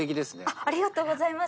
ありがとうございます。